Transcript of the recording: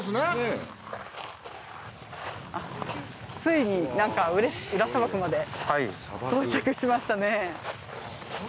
ついに、なんか裏砂漠まで到着しましたね。